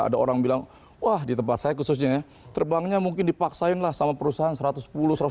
ada orang bilang wah di tempat saya khususnya ya terbangnya mungkin dipaksain lah sama perusahaan satu ratus sepuluh